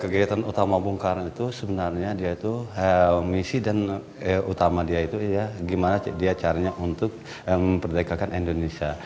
kegiatan utama bung karno itu sebenarnya dia itu misi dan utama dia itu gimana dia caranya untuk memperdekakan indonesia